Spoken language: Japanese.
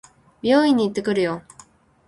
美容院に行ってくるよ。